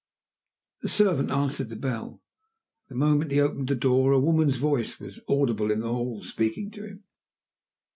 The servant answered the bell. At the moment he opened the door a woman's voice was audible in the hall speaking to him.